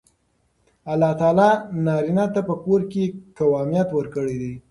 الله تعالی نارینه ته په کور کې قوامیت ورکړی دی.